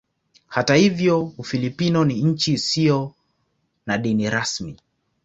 Hata hivyo Ufilipino ni nchi isiyo na dini rasmi.